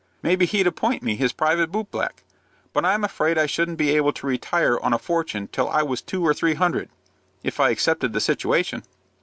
Maybe he'd appoint me his private boot black; but I'm afraid I shouldn't be able to retire on a fortune till I was two or three hundred, if I accepted the situation."